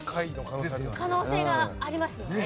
可能性がありますよね。